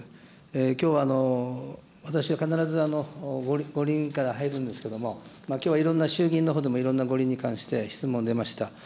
きょうは、私は必ず五輪から入るんですけれども、きょうはいろんな衆議院のほうでもいろんな五輪に関して質問が出ました。